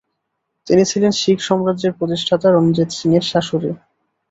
তিনি ছিলেন শিখ সাম্রাজ্যের প্রতিষ্ঠাতা রণজিৎ সিং-এর শ্বাশুড়ি।